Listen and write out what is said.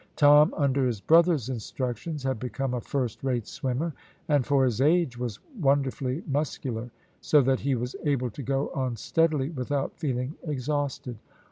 Tom, under his brother's instructions, had become a first rate swimmer, and for his age was wonderfully muscular; so that he was able to go on steadily without feeling exhausted.